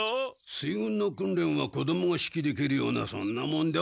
水軍の訓練は子どもが指揮できるようなそんなもんではない。